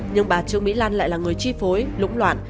nhưng bà trương mỹ lan lại là người chi phối lũng loạn